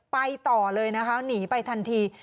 ไปต่อเลยนะคะหนีไปทันที